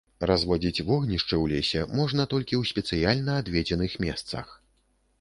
Разводзіць вогнішчы ў лесе можна толькі ў спецыяльна адведзеных месцах.